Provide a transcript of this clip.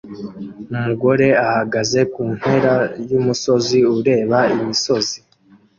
Umugore ahagaze kumpera yumusozi ureba imisozi